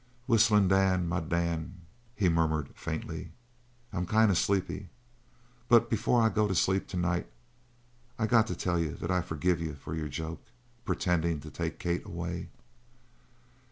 "Whistlin' Dan, my Dan," he murmured faintly, "I'm kind of sleepy, but before I go to sleep, to night, I got to tell you that I forgive you for your joke pretendin' to take Kate away."